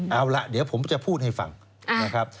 เอาล่ะเดี๋ยวผมจะพูดให้ฟังนะครับ